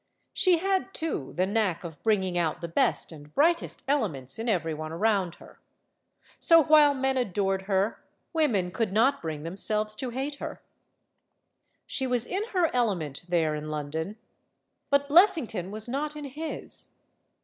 She had, too, the knack of bringing out the best and brightest elements in everyone around her. So, while men adored her, women could not bring themselves to hate her. She was in her element, there in London. But Bles sington was not in his.